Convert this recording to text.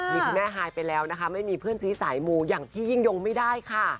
มีคุณแม่ฮายไปแล้วนะคะไม่มีเพื่อนสีสายมูอย่างพี่ยิ่งยงไม่ได้ค่ะ